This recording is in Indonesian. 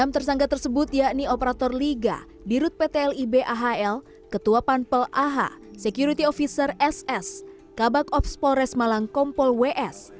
enam tersangka tersebut yakni operator liga dirut pt lib ahl ketua pampel ah security officer ss kabak ops polres malang kompol ws